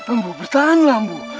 ambu bertahanlah ambu